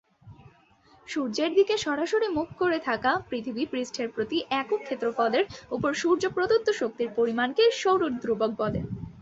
সূর্যের দিকে সরাসরি মুখ করে থাকা পৃথিবী পৃষ্ঠের প্রতি একক ক্ষেত্রফলের উপর সূর্য প্রদত্ত শক্তির পরিমাণকে সৌর ধ্রুবক বলে।